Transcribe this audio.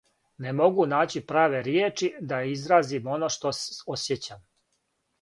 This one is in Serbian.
Не могу наћи праве ријечи да изразим оно што осјећам.